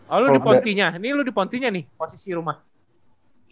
lo di pontinya ini lu di pontinya nih posisi rumah